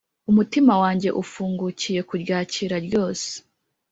umutima wanjye ufungukiye kuryakira ryose,